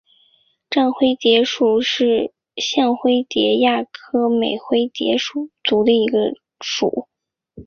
绽灰蝶属是线灰蝶亚科美灰蝶族中的一个属。